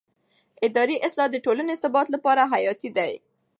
اداري اصلاح د ټولنې ثبات لپاره حیاتي دی